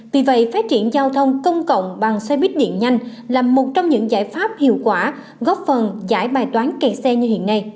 vì vậy phát triển giao thông công cộng bằng xe buýt điện nhanh là một trong những giải pháp hiệu quả góp phần giải bài toán kẹt xe như hiện nay